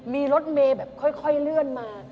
มีรถเมย์แบบค่อยเลื่อนมา